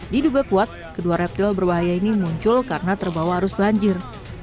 diduga kuat kedua reptil berbahaya ini muncul karena terbawa arus banjir